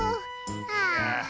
ああ。